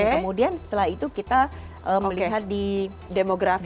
kemudian setelah itu kita melihat di demografi